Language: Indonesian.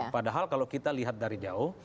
padahal kalau kita lihat dari jauh